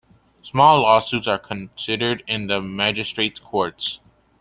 Small lawsuits are considered in the Magistrates' Courts.